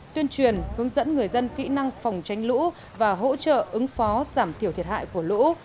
tuyên truyền hướng dẫn người dân kỹ năng phòng tranh lũ và hỗ trợ ứng phó giảm thiểu thiệt hại của lũ